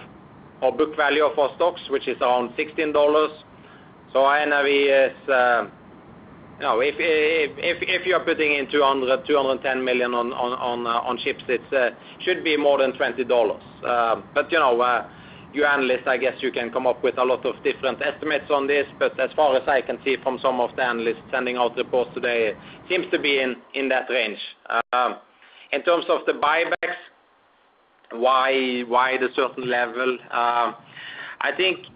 our book value of our stocks, which is around $16. Our NAV is if you are putting in $210 million on ships, it should be more than $20. You analysts, I guess you can come up with a lot of different estimates on this, but as far as I can see from some of the analysts sending out reports today, it seems to be in that range. In terms of the buybacks, why the certain level? I think,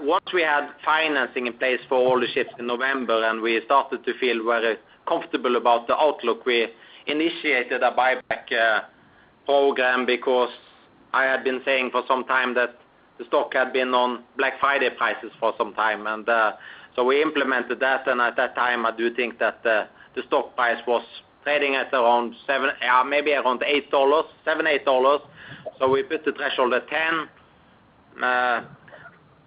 once we had financing in place for all the ships in November, and we started to feel very comfortable about the outlook, we initiated a buyback program because I had been saying for some time that the stock had been on Black Friday prices for some time. We implemented that, and at that time, I do think that the stock price was trading at around maybe around $8, $7, $8. We put the threshold at $10.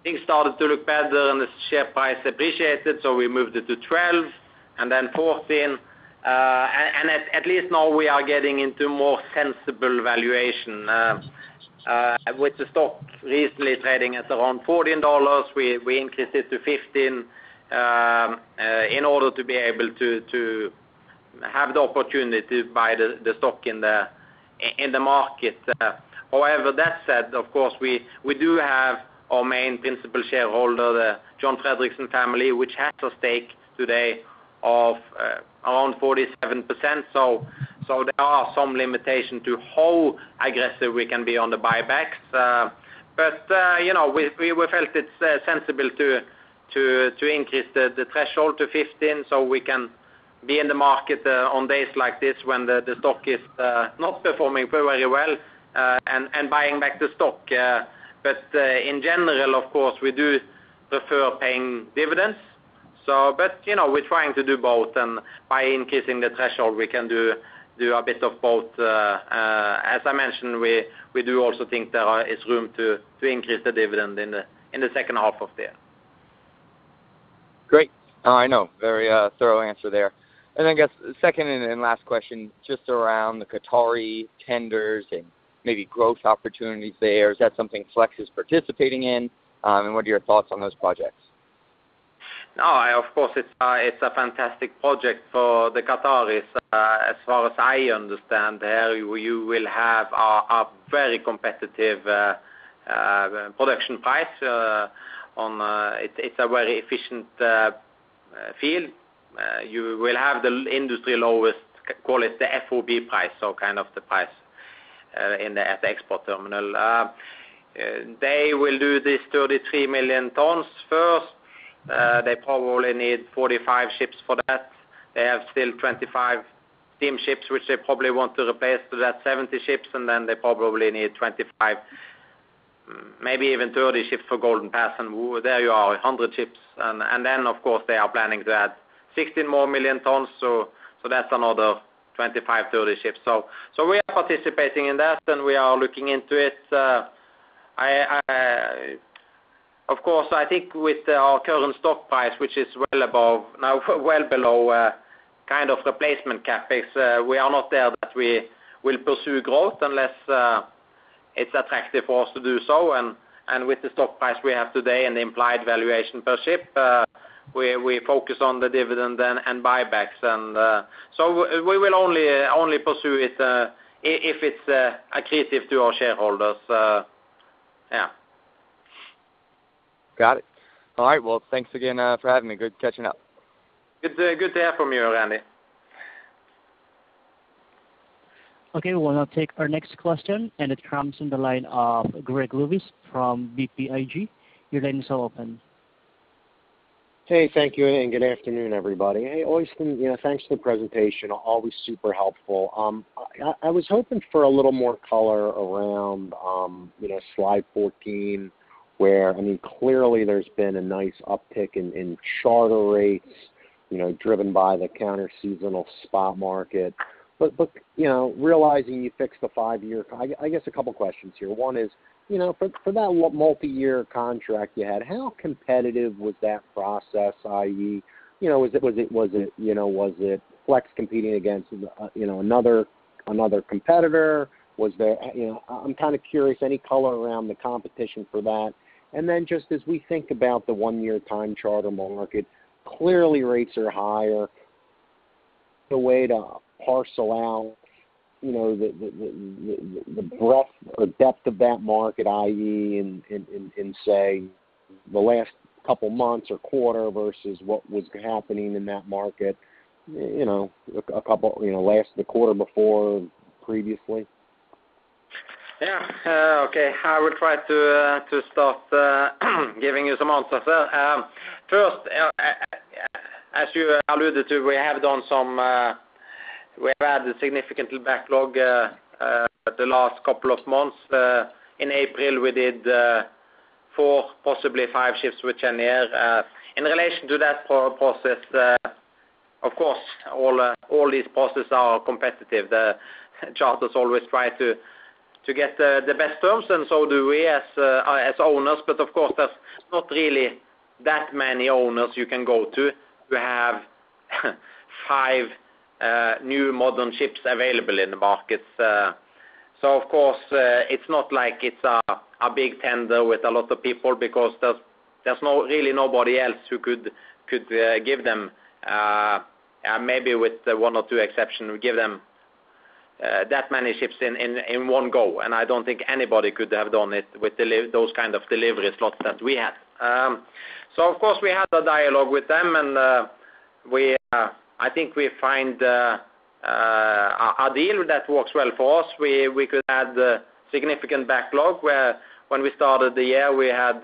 Things started to look better, and the share price appreciated, we moved it to $12, and then $14. At least now we are getting into more sensible valuation. With the stock recently trading at around $14, we increased it to $15, in order to be able to have the opportunity to buy the stock in the market. That said, of course, we do have our main principal shareholder, the John Fredriksen family, which has a stake today of around 47%. There are some limitations to how aggressive we can be on the buybacks. We felt it sensible to increase the threshold to 15 so we can be in the market on days like this when the stock is not performing very well, and buying back the stock. In general, of course, we do prefer paying dividends. We're trying to do both, and by increasing the threshold, we can do a bit of both. As I mentioned, we do also think there is room to increase the dividend in the second half of the year. Great. I know. Very thorough answer there. I guess the second and last question, just around the Qatari tenders and maybe growth opportunities there. Is that something FLEX is participating in? What are your thoughts on those projects? It's a fantastic project for the Qataris. As far as I understand, there you will have a very competitive production price. It's a very efficient field. You will have the industry lowest, call it the FOB price, so kind of the price at the export terminal. They will do this 33,000,000 tons first. They probably need 45 ships for that. They have still 25 steam ships, which they probably want to replace. That's 70 ships, and then they probably need 25, maybe even 30 ships for Golden Pass. There you are, 100 ships. Of course, they are planning to add 16 more million tons, so that's another 25, 30 ships. We are participating in that, and we are looking into it. Of course, I think with our current stock price, which is well below kind of replacement CapEx, we are not there that we will pursue growth unless it's attractive for us to do so. With the stock price we have today and the implied valuation per ship, we focus on the dividend and buybacks. We will only pursue it, if it's accretive to our shareholders. Yeah. Got it. All right. Well, thanks again for having me. Good catching up. Good to hear from you, Randy. Okay, we will now take our next question. It comes in the line of Gregory Lewis from BTIG. Your line is now open. Hey, thank you, and good afternoon, everybody. Hey, Øystein, thanks for the presentation. Always super helpful. I was hoping for a little more color around slide 14, where, I mean, clearly there's been a nice uptick in charter rates driven by the counter seasonal spot market. Realizing you fixed the five-year, I guess a couple of questions here. One is, for that multi-year contract you had, how competitive was that process, i.e., was it FLEX competing against another competitor? I'm kind of curious, any color around the competition for that? Just as we think about the one-year Time Charter market, clearly rates are higher. The way to parcel out the breadth or depth of that market, i.e., in say, the last couple months or quarter versus what was happening in that market last quarter before previously? Yeah. Okay. I will try to start giving you some answers there. First, as you alluded to, we have had a significant backlog the last couple of months. In April, we did four, possibly five ships with Cheniere. In relation to that process, of course, all these processes are competitive. The charters always try to get the best terms, and so do we as owners. Of course, there's not really that many owners you can go to who have five new modern ships available in the market. Of course, it's not like it's a big tender with a lot of people because there is really nobody else who could give them, maybe with one or two exceptions, give them that many ships in one go. I don't think anybody could have done it with those kind of delivery slots that we had. Of course, we had a dialogue with them, and I think we find a deal that works well for us. We could add significant backlog where when we started the year, we had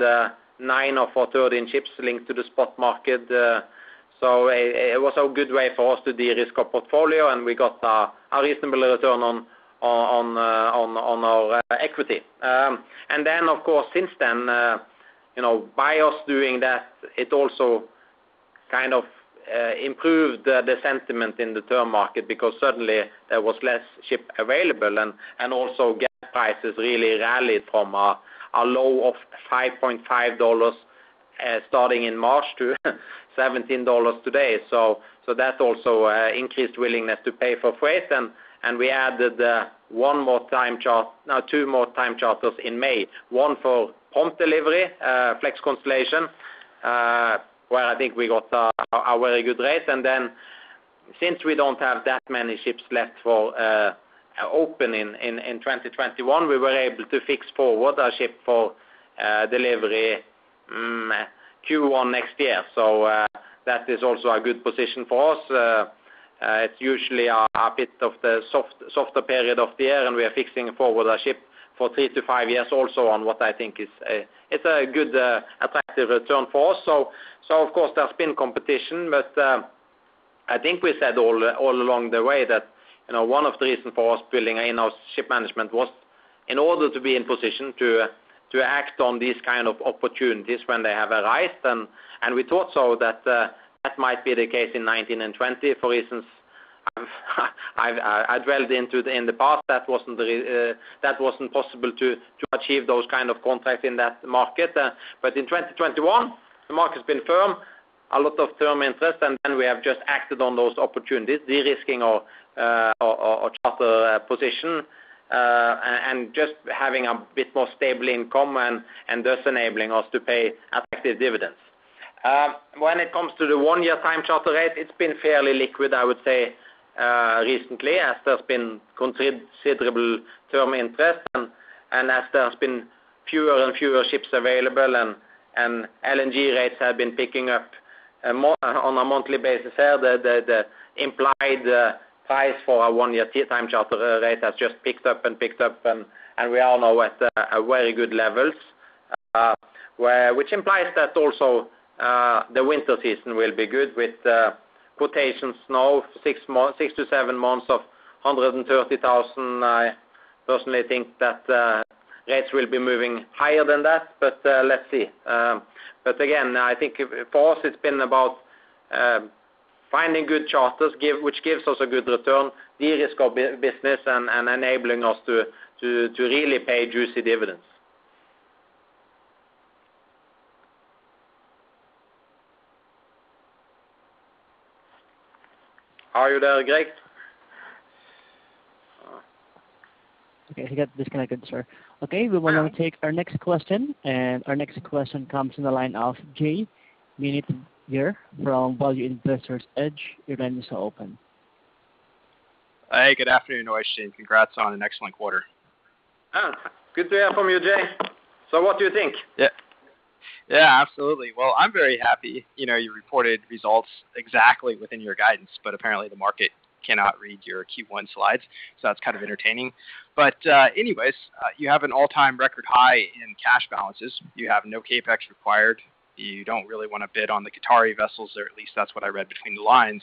nine of our 13 ships linked to the spot market. It was a good way for us to de-risk our portfolio, and we got a reasonable return on our equity. Then, of course, since then by us doing that, it also kind of improved the sentiment in the term market because suddenly there was less ship available, and also gas prices really rallied from a low of $5.5 starting in March to $17 today. That also increased willingness to pay for freight, and we added two more time charters in May. One for prompt delivery, FLEX Constellation, where I think we got a very good rate. Since we don't have that many ships left open in 2021, we were able to fix forward a ship for delivery Q1 next year. That is also a good position for us. It's usually a bit of the softer period of the year, and we are fixing forward a ship for three to five years also on what I think is a good, attractive return for us. Of course, there's been competition, but I think we said all along the way that one of the reasons for us building in our ship management was in order to be in position to act on these kind of opportunities when they have arise. We thought so that that might be the case in 2019 and 2020, for reasons I dwelled into in the past. That wasn't possible to achieve those kind of contracts in that market. In 2021, the market's been firm, a lot of term interest, and then we have just acted on those opportunities, de-risking our charter position, and just having a bit more stable income and thus enabling us to pay attractive dividends. When it comes to the one-year time charter rate, it's been fairly liquid, I would say, recently as there's been considerable term interest and as there's been fewer and fewer ships available and LNG rates have been picking up on a monthly basis there. The implied price for a one-year time charter rate has just picked up, We are now at very good levels, which implies that also the winter season will be good with quotations now 6-7 months of $130,000. I personally think that rates will be moving higher than that, Let's see. Again, I think for us it's been about finding good charters which gives us a good return, de-risk our business, and enabling us to really pay juicy dividends. Are you there, Greg? Okay, he got disconnected, sir. Okay, we will now take our next question. Our next question comes in the line of J Mintzmyer from Value Investor's Edge. Your line is now open. Hey, good afternoon, Øystein. Congrats on an excellent quarter. Good to hear from you, J. What do you think? Yeah, absolutely. Well, I'm very happy. You reported results exactly within your guidance, but apparently the market cannot read your Q1 slides, so that's kind of entertaining. Anyways, you have an all-time record high in cash balances. You have no CapEx required. You don't really want to bid on the Qatari vessels, or at least that's what I read between the lines.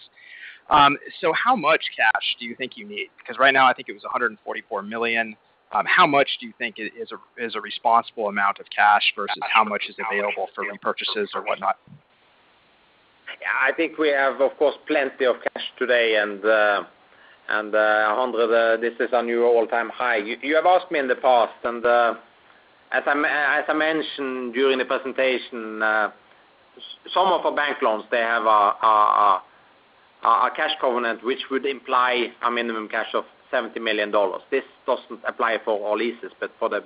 How much cash do you think you need? Because right now I think it was $144 million. How much do you think is a responsible amount of cash versus how much is available for repurchases or whatnot? I think we have, of course, plenty of cash today, and J, this is a new all-time high. You have asked me in the past, and as I mentioned during the presentation, some of our bank loans, they have a cash covenant which would imply a minimum cash of $70 million. This doesn't apply for all leases, but for the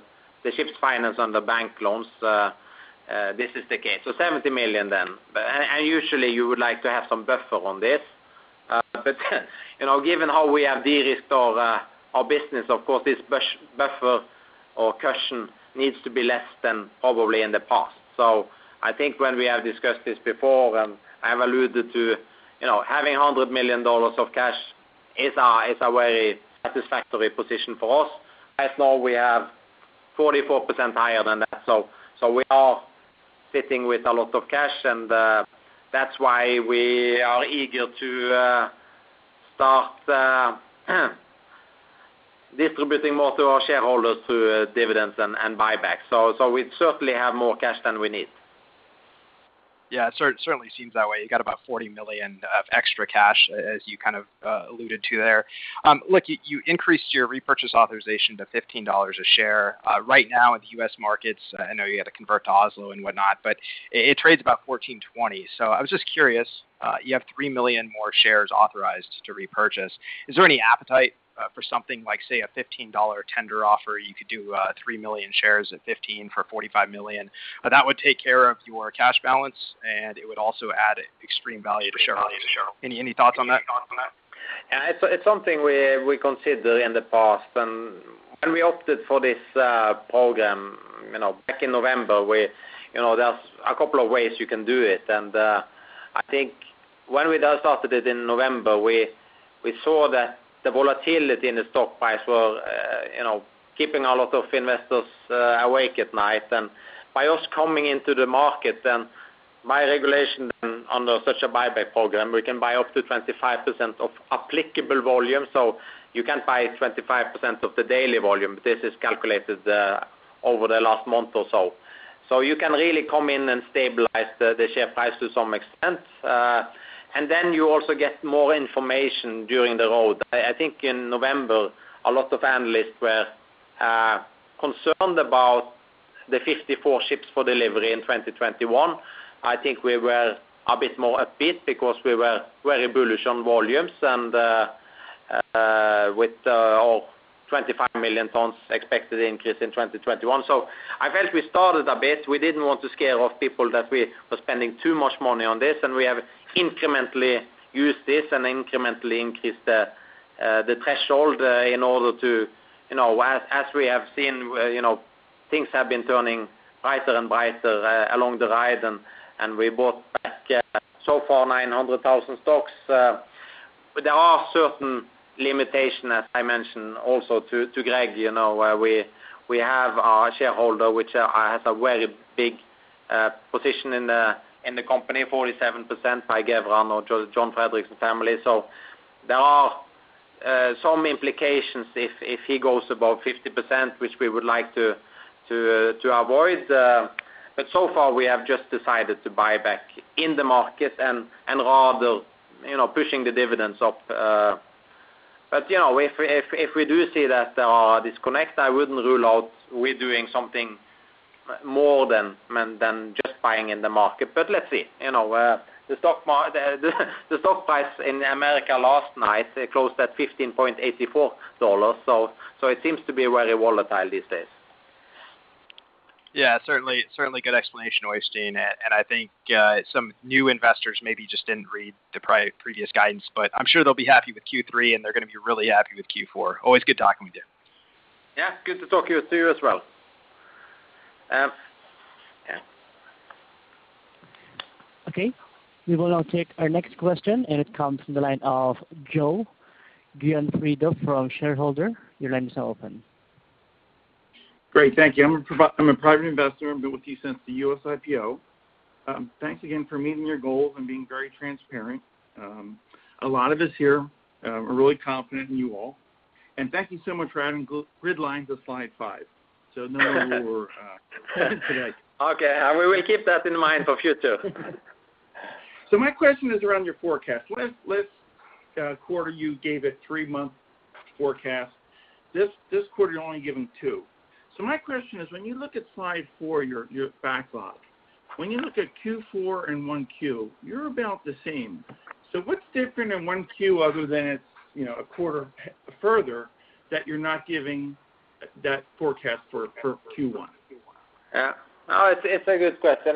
ship's finance and the bank loans, this is the case. $70 million then. Usually you would like to have some buffer on this. Given how we have de-risked our business, of course, this buffer or cushion needs to be less than probably in the past. I think when we have discussed this before, and I have alluded to having $100 million of cash is a very satisfactory position for us. Right now, we have 44% higher than that. We are sitting with a lot of cash, and that's why we are eager to start distributing more to our shareholders through dividends and buybacks. We certainly have more cash than we need. Yeah. It certainly seems that way. You got about $40 million of extra cash, as you kind of alluded to there. Look, you increased your repurchase authorization to $15 a share. Right now in the U.S. markets, I know you had to convert to Oslo and whatnot, but it trades about $14.20. I was just curious, you have 3 million more shares authorized to repurchase. Is there any appetite for something like, say, a $15 tender offer? You could do 3 million shares at $15 for $45 million. That would take care of your cash balance, and it would also add extreme value to shareholders. Any thoughts on that? Yeah, it's something we considered in the past. When we opted for this program back in November, there's a couple of ways you can do it. I think when we just started it in November, we saw that the volatility in the stock price was keeping a lot of investors awake at night. By us coming into the market and by regulation under such a buyback program, we can buy up to 25% of applicable volume. You can't buy 25% of the daily volume. This is calculated over the last month or so. You can really come in and stabilize the share price to some extent. You also get more information during the road. I think in November, a lot of analysts were concerned about the 54 ships for delivery in 2021. I think we were a bit more upbeat because we were very bullish on volumes and with all 25,000,000 Tons expected increase in 2021. I felt we started a bit. We didn't want to scare off people that we were spending too much money on this, and we have incrementally used this and incrementally increased the threshold in order to, as we have seen things have been turning brighter and brighter along the ride, and we bought back so far 900,000 stocks. There are certain limitations, as I mentioned also to Greg, where we have our shareholder, which has a very big position in the company, 47%, Geveran or John Fredriksen family. There are some implications if he goes above 50%, which we would like to avoid. So far we have just decided to buy back in the market and rather pushing the dividends up. If we do see that there are disconnects, I wouldn't rule out we're doing something more than just buying in the market. Let's see. The stock price in America last night closed at $15.84. It seems to be very volatile these days. Yeah, certainly good explanation, Øystein. I think some new investors maybe just didn't read the previous guidance, but I'm sure they'll be happy with Q3, and they're going to be really happy with Q4. Always good talking with you. Yeah. Good to talk to you as well. Yeah. Okay. We will now take our next question, and it comes from the line of Joe Gianfriddo from Shareholder. Your line is now open. Great. Thank you. I'm a private investor. I've been with you since the U.S. IPO. Thanks again for meeting your goals and being very transparent. A lot of us here are really confident in you all. Thank you so much for adding grid lines to slide five. Okay. We will keep that in mind for future. My question is around your forecast. Last quarter, you gave a three-month forecast. This quarter, you're only giving two. My question is, when you look at slide four, your backlog. When you look at Q4 and 1Q, you're about the same. What's different in 1Q other than it's a quarter further that you're not giving that forecast for Q1? Yeah. No, it's a good question.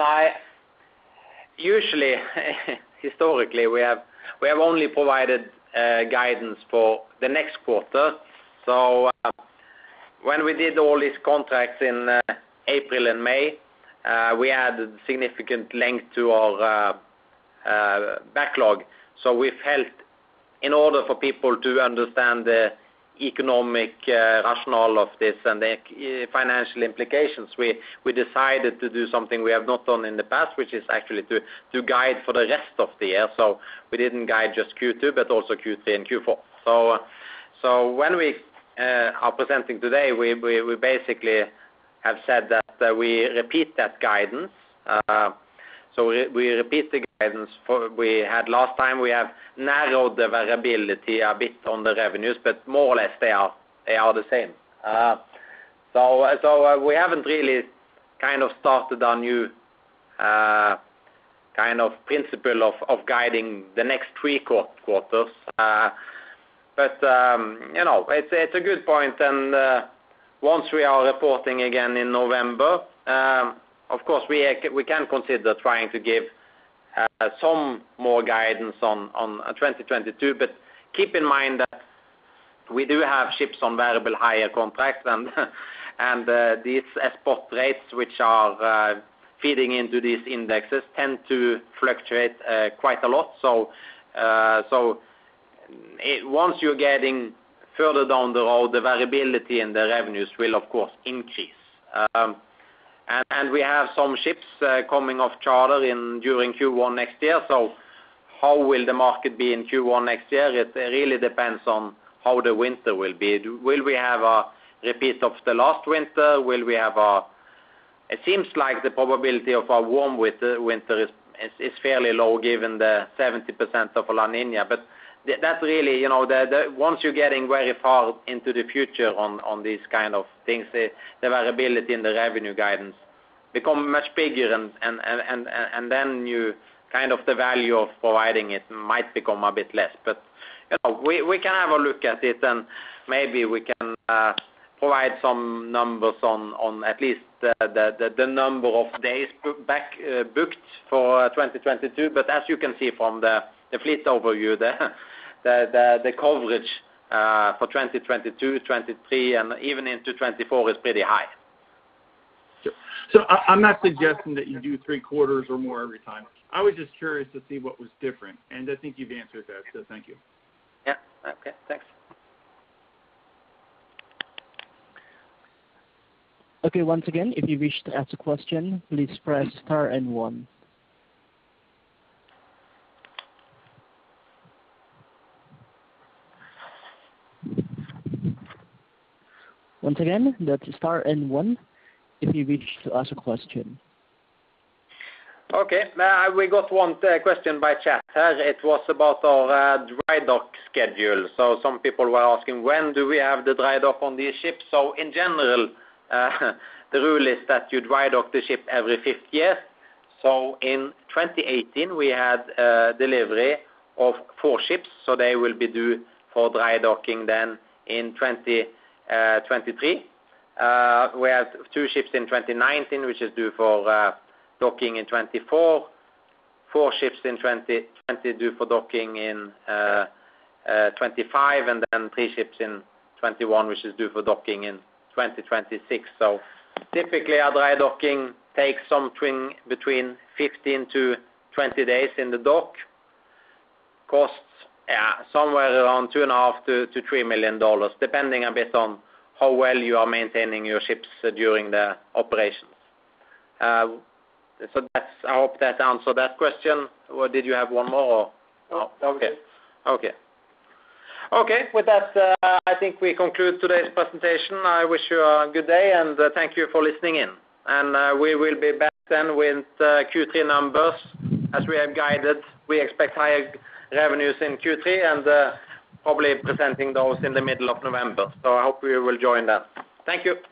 Usually historically, we have only provided guidance for the next quarter. When we did all these contracts in April and May, we added significant length to our backlog. We've helped in order for people to understand the economic rationale of this and the financial implications. We decided to do something we have not done in the past, which is actually to guide for the rest of the year. We didn't guide just Q2, but also Q3 and Q4. When we are presenting today, we basically have said that we repeat that guidance. We repeat the guidance we had last time. We have narrowed the variability a bit on the revenues, more or less they are the same. We haven't really kind of started a new kind of principle of guiding the next three quarters. It's a good point and once we are reporting again in November, of course, we can consider trying to give some more guidance on 2022. Keep in mind that we do have ships on variable hire contracts and these export rates, which are feeding into these indexes, tend to fluctuate quite a lot. Once you're getting further down the road, the variability in the revenues will, of course, increase. We have some ships coming off charter during Q1 next year. How will the market be in Q1 next year? It really depends on how the winter will be. Will we have a repeat of the last winter? It seems like the probability of a warm winter is fairly low given the 70% of La Niña. That's really, once you're getting very far into the future on these kind of things, the variability in the revenue guidance become much bigger and then kind of the value of providing it might become a bit less. We can have a look at it and maybe we can provide some numbers on at least the number of days booked for 2022. As you can see from the fleet overview there, the coverage, for 2022, 2023, and even into 2024 is pretty high. Sure. I'm not suggesting that you do three quarters or more every time. I was just curious to see what was different, and I think you've answered that, so thank you. Yeah. Okay, thanks. Okay. Once again, if you wish to ask a question, please press star and one. Once again, that's star and one if you wish to ask a question. We got one question by chat. It was about our dry dock schedule. Some people were asking, when do we have the dry dock on these ships? In general, the rule is that you dry dock the ship every five years. In 2018, we had delivery of four ships, so they will be due for dry docking then in 2023. We have two ships in 2019, which is due for docking in 2024, four ships in 2020 due for docking in 2025, and then three ships in 2021, which is due for docking in 2026. Typically, a dry docking takes something between 15-20 days in the dock. Costs, somewhere around $2.5 million-$3 million, depending a bit on how well you are maintaining your ships during the operations. I hope that answered that question, or did you have one more or? No, that was it. Okay. Okay, with that, I think we conclude today's presentation. I wish you a good day. Thank you for listening in. We will be back then with the Q3 numbers. As we have guided, we expect higher revenues in Q3 and probably presenting those in the middle of November. I hope you will join then. Thank you.